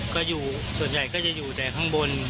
ก็อยู่ส่วนใหญ่ก็จะอยู่แต่ข้างบน